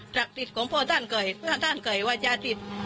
จักษิตของพ่อท่านไขวัดชาชิต